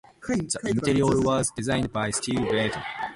The interior was designed by Stile Bertone.